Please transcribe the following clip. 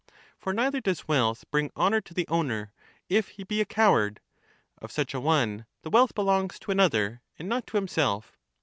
For neither does wealth bring honour to the owner, if he be a coward ; of such a one the wealth belongs to another, and not to himself.